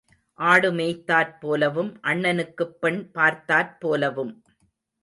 ஆடு மேய்த்தாற் போலவும் அண்ணனுக்குப் பெண் பார்த்தாற் போலவும்.